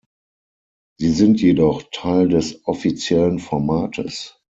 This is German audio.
Sie sind jedoch Teil des offiziellen Formates.